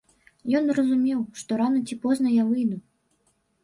Ён разумеў, што рана ці позна я выйду.